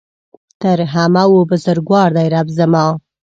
تر همه ؤ بزرګوار دی رب زما